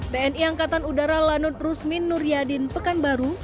tni angkatan udara lanut rusmin nuryadin pekanbaru